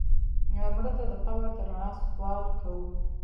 مړه ته د قبر د رڼا سوال کوو